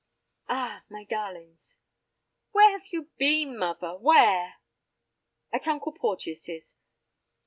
"Ah—my darlings—" "Where have you been, muvver—where?" "At Uncle Porteus's.